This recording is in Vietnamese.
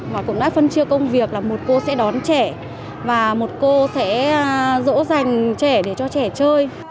và cũng đã phân chia công việc là một cô sẽ đón trẻ và một cô sẽ dỗ dành trẻ để cho trẻ chơi